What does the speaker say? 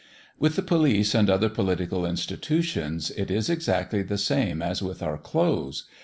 With the police and other political institutions, it is exactly the same as with our clothes.